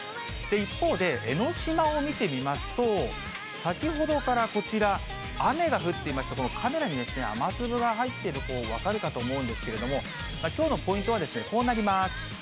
一方で、江の島を見てみますと、先ほどからこちら、雨が降っていまして、このカメラに雨粒が入ってるの分かるかと思うんですけれども、きょうのポイントはですね、こうなります。